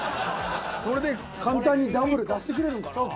それで簡単にダブル出してくれるんかなぁ。